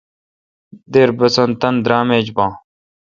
دیر بسن تان درام ایچ با۔